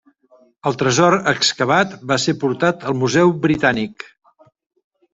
El tresor excavat va ser portat al Museu Britànic.